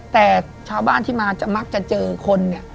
แต่ชาวบ้านที่มามักจะเจอคน